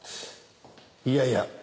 いやいや。